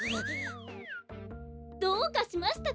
どうかしましたか？